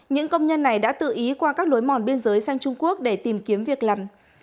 những công nhân này đã tự ý qua các lối mòn biên giới sang trung quốc để tìm kiếm việc làm